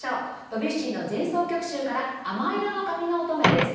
ドビュッシーの前奏曲集から『亜麻色の髪のおとめ』です。